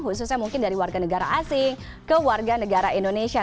khususnya mungkin dari warga negara asing ke warga negara indonesia